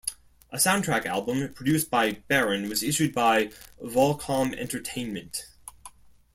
A soundtrack album, produced by Baron, was issued by Volcom Entertainment.